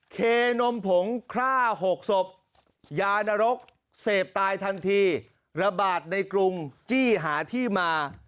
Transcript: เคนมผงฆ่า๖ศพยานรกเสพตายทันทีระบาดในกรุงจี้หาที่มา